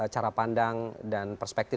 cara pandang dan perspektif